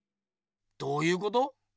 どうゆうこと？